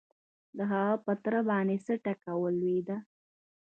د هغه په تره باندې څه ټکه ولوېده؟